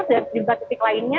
dan juga di titik lainnya